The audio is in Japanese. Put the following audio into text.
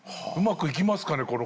うまくいきますかね？